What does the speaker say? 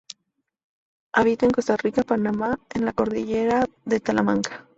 Habita en Costa Rica y Panamá, en la Cordillera de Talamanca.